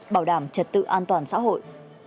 bảo đảm trật tự an toàn xã hội